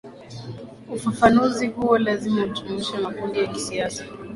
ufafanuzi huo lazima ujumuishe makundi ya kisiasa